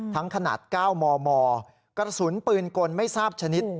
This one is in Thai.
ขนาด๙มมกระสุนปืนกลไม่ทราบชนิด